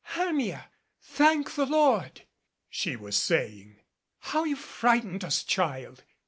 "Hermia, thank the Lord!" she was saying. "How 49 MADCAP you've frightened us, child!"